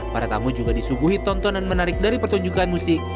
para tamu juga disuguhi tontonan menarik dari pertunjukan musik